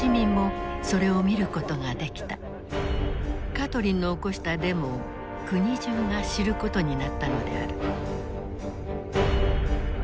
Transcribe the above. カトリンの起こしたデモを国中が知ることになったのである。